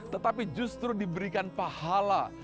tetapi justru diberikan pahala